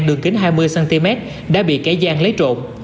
đường kính hai mươi cm đã bị kẻ gian lấy trộm